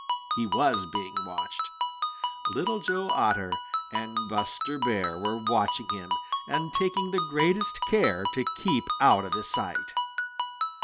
He was being watched. Little Joe Otter and Buster Bear were watching him and taking the greatest care to keep out of his sight.